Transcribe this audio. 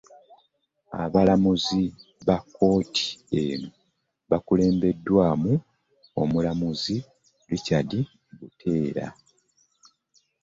Abalamuzi ba kkooti eno bakulembeddwamu omulamuzi Richard Buteera.